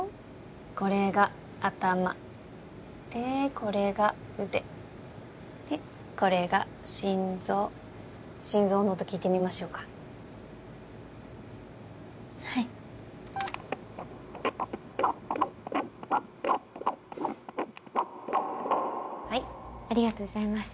これが頭でこれが腕でこれが心臓心臓の音聞いてみましょうかはいはいありがとうございます